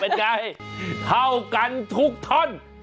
เป็นไงเท่ากันทุกท่อน